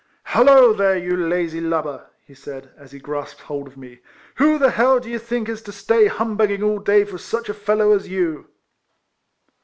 " Hollo there, you lazy lubber! " he said, as he grasped hold of me, " who the h — 11 do you think is to stay humbugging all day for such a fellow as you?